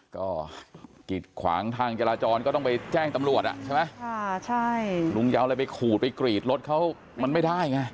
ก็กิดขวางทางจราจรก็ต้องไปแจ้งตำรวจอ่ะใช่ไหมลุงจะเอาอะไรไปขูดไปกรีดรถเขามันไม่ได้ไง